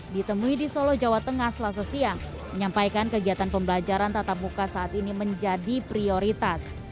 ditemui di solo jawa tengah selasa siang menyampaikan kegiatan pembelajaran tatap muka saat ini menjadi prioritas